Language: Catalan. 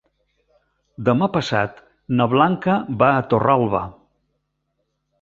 Demà passat na Blanca va a Torralba.